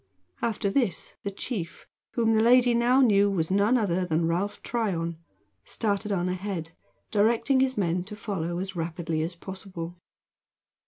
After this the chief, whom the lady now knew was none other than Ralph Tryon, started on ahead, directing his men to follow as rapidly as possible.